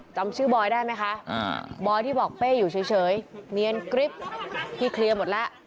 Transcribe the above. จำชื่อบอยได้ไหมคะบอยที่บอกเป้อยู่เฉยเนียนกริ๊บพี่เคลียร์หมดแล้ว